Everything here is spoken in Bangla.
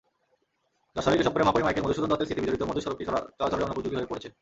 যশোরের কেশবপুরে মহাকবি মাইকেল মধুসূদন দত্তের স্মৃতিবিজড়িত মধু সড়কটি চলাচলের অনুপযোগী হয়ে পড়েছে।